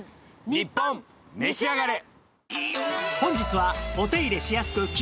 『ニッポンめしあがれ』！